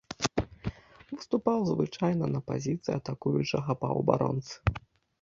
Выступаў звычайна на пазіцыі атакуючага паўабаронцы.